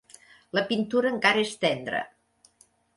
La pintura encara és tendra.